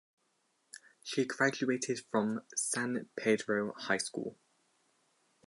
She graduated from San Pedro High School.